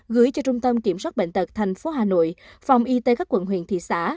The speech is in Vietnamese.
gửi cho trung tâm kiểm soát bệnh tật tp hcm phòng y tế các quận huyện thị xã